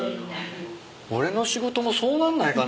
俺の仕事もそうなんないかな？